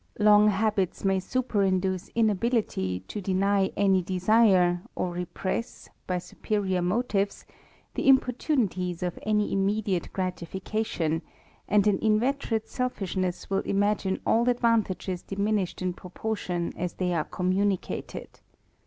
Long habits may superinduce inability to deny any desire or repress, by superior motives, the importunities of any immediate gratification, and an inveterate selfishness will imagine all advantages diminished in proportion as they are communicated.